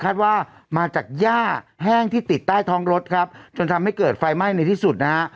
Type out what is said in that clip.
ว่ามาจากย่าแห้งที่ติดใต้ท้องรถครับจนทำให้เกิดไฟไหม้ในที่สุดนะฮะ